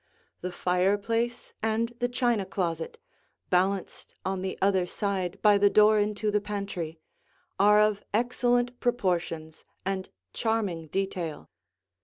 The fireplace and the china closet, balanced on the other side by the door into the pantry, are of excellent proportions and charming detail.